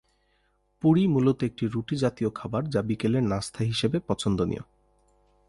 পুরি মূলত একটি রুটি জাতীয় খাবার যা বিকেলের নাস্তা হিসেবে পছন্দনীয়।